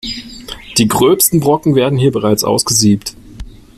Die gröbsten Brocken werden hier bereits ausgesiebt.